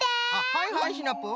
はいはいシナプー。